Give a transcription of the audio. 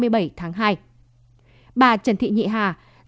bà trần thị nhị hà giám đốc sở y tế hà nội cho rằng